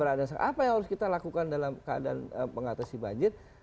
apa yang harus kita lakukan dalam keadaan mengatasi banjir